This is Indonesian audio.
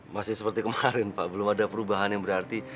masih seperti kemarin pak belum ada perubahan yang berarti